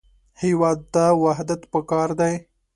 هېواد ته وحدت پکار دی